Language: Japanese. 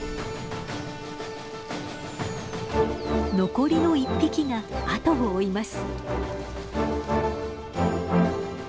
残りの１匹が後を追います。